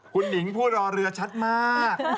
คุณหนิงผู้รอเรือชัดมาก